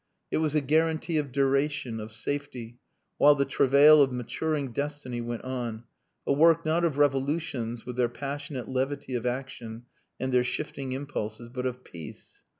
It was a guarantee of duration, of safety, while the travail of maturing destiny went on a work not of revolutions with their passionate levity of action and their shifting impulses but of peace.